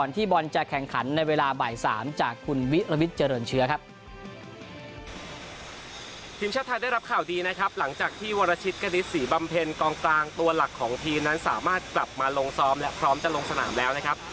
ทีมชาติไทยได้รับข่าวดีนะครับหลังจากที่วรชิตกณิตศรีบำเพ็ญกองกลางตัวหลักของทีมนั้นสามารถกลับมาลงซ้อมและพร้อมจะลงสนามแล้วนะครับ